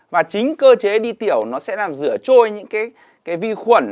và chính cơ chế đi tiểu sẽ làm rửa trôi những vi khuẩn